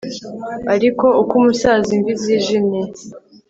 Ariko uko umusaza imvi zijimye